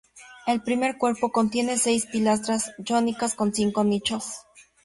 El primer cuerpo contiene seis pilastras jónicas con cinco nichos.